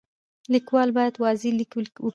لیکوال باید واضح لیک وکړي.